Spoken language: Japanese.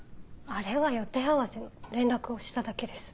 あれは予定合わせの連絡をしただけです。